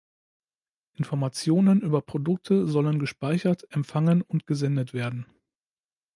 Informationen über Produkte sollen gespeichert, empfangen und gesendet werden.